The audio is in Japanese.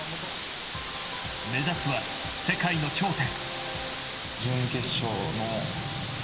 目指すは世界の頂点。